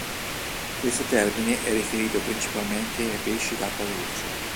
Questo termine è riferito principalmente ai pesci d'acqua dolce.